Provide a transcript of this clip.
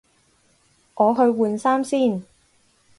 我去換衫先